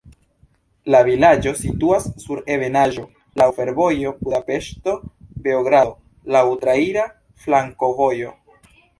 La vilaĝo situas sur ebenaĵo, laŭ fervojo Budapeŝto-Beogrado, laŭ traira flankovojo.